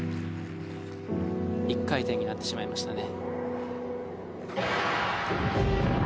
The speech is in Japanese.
１回転になってしまいましたね。